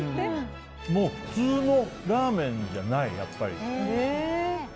普通のラーメンじゃないやっぱり。